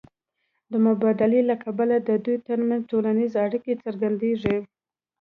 د مبادلې له کبله د دوی ترمنځ ټولنیزې اړیکې څرګندېږي